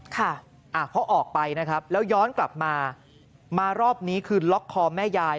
เขาออกไปนะครับแล้วย้อนกลับมามารอบนี้คือล็อกคอแม่ยาย